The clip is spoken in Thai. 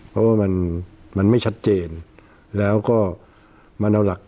เพราะว่ามันมันไม่ชัดเจนแล้วก็มันเอาหลัก